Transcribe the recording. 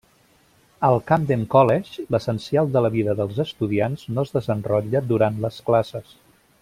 Al Camden College, l'essencial de la vida dels estudiants no es desenrotlla durant les classes.